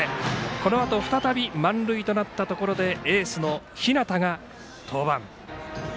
このあと再び満塁となったところでエースの日當が登板。